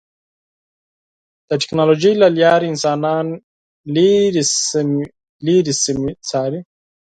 د ټکنالوجۍ له لارې انسانان لرې سیمې څاري.